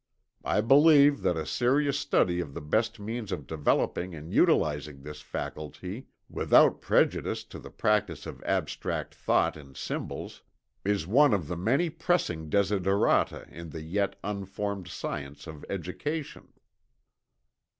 I believe that a serious study of the best means of developing and utilizing this faculty, without prejudice to the practice of abstract thought in symbols, is one of the many pressing desiderata in the yet unformed science of education."